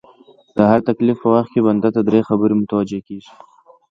د هر تکليف په وخت کي بنده ته دری خبري متوجې کيږي